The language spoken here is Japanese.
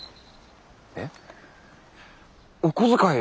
えっお小遣い